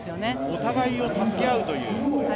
お互いを助け合うという。